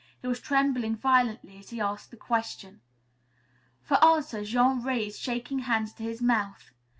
He was trembling violently as he asked the question. For answer, Jean raised shaking hands to his mouth.